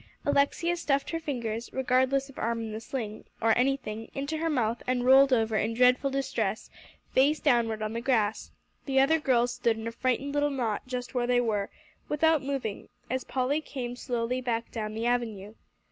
Alexia stuffed her fingers, regardless of arm in the sling, or anything, into her mouth, and rolled over in dreadful distress, face downward on the grass. The other girls stood in a frightened little knot, just where they were, without moving, as Polly came slowly back down the avenue.